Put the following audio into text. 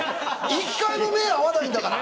１回も目合わないんだから。